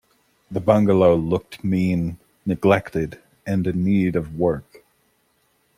The bungalow looked mean, neglected, and in need of work.